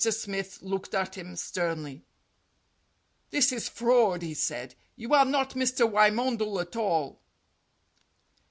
Smith looked at him sternly. "This is fraud," he said. "You are not Mr. Wymondel at all."